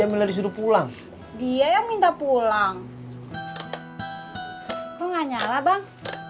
tiga miliar disuruh pulang dia yang minta pulang kok nggak nyala bang